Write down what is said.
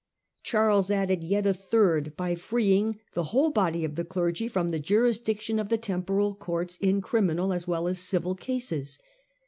Charles added yet a third by freeing the whole body of the clergy from the jurisdiction of the temporal courts, in criminal as well as civil cases.